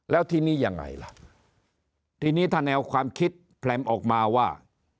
แล้วทีนี้ยังไงล่ะทีนี้ถ้าแนวความคิดแพรมออกมาว่า